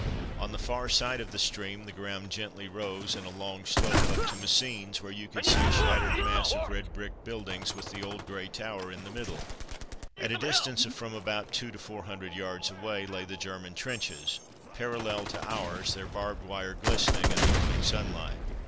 On the far side of the stream the ground gently rose in a long slope up to Messines, where you could see a shattered mass of red brick buildings with the old grey tower in the middle. At a distance of from about two to four hundred yards away lay the German trenches, parallel to ours, their barbed wire glistening in the morning sunlight.